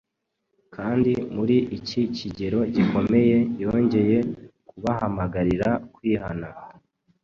kandi muri iki kirego gikomeye yongeye kubahamagarira kwihana.